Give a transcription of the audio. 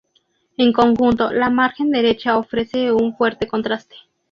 En conjunto, la margen derecha ofrece un fuerte contraste.